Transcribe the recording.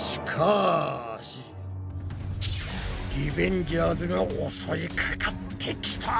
リベンジャーズが襲いかかってきた！